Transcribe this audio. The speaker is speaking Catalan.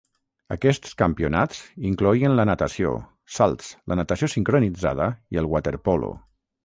Aquests campionats incloïen la natació, salts, la natació sincronitzada i el waterpolo.